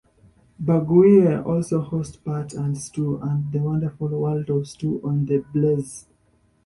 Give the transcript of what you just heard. Burguiere also hosts Pat and Stu and The Wonderful World of Stu on TheBlaze.